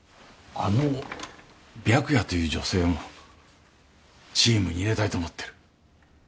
あの白夜という女性もチームに入れたいと思ってる。